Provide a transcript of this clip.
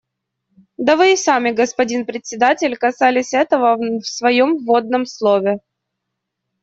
Да вы и сами, господин Председатель, касались этого в своем вводном слове.